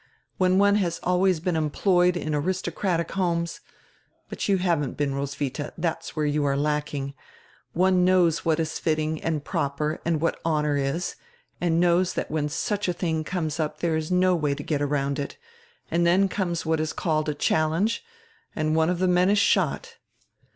When one has always been employed in aristocratic homes — but you haven't been, Roswitha, that's where you are lacking — one knows what is fitting and proper and what honor is, and knows that when such a tiling comes up there is no way to get around it, and dien comes what is called a challenge and one of the men is shot."